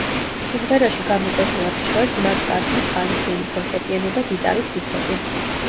სიმღერაში გამოკვეთილად ჟღერს მაკ-კარტნის ხალისიანი ფორტეპიანო და გიტარის რიფები.